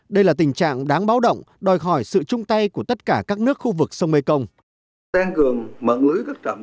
đây là tình trạng đáng báo động đòi hỏi sự chung tay của tất cả các nước khu vực sông mekong